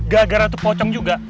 gara gara itu pocong juga